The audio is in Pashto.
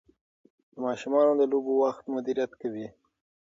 د ماشومانو د لوبو وخت مدیریت کوي.